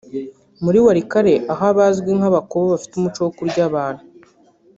muri Walikale aho abazwi nk’Abakobo bafite umuco wo kurya abantu